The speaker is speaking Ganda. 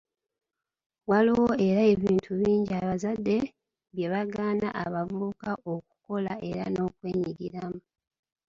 Waliwo era ebintu bingi abazadde bye bagaana abavubuka okukola era n'okwenyigiramu.